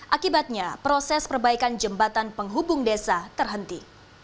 akibatnya proses perbaikan jembatan penghubung desa terhenti